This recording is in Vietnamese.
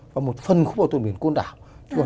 và một phần khu bảo tồn biển côn đảo